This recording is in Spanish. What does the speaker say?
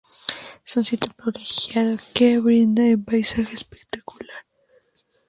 Es un sitio privilegiado que brinda un paisaje espectacular.